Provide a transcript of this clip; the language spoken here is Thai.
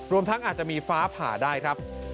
รวมทั้งอาจจะมีฟ้าผ่าได้ครับ